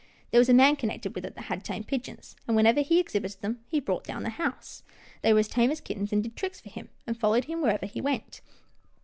There was a man connected with it that had tame pigeons, and, whenever he exhibited them, he brought down the house. They were as tame as kittens, and did tricks for him, and followed him wherever he went."